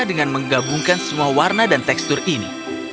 dengan menggabungkan semua warna dan tekstur ini